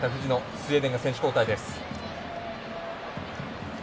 スウェーデンが選手交代です。